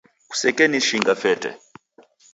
Kusekenishinga fete.